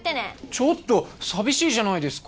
ちょっと寂しいじゃないですか！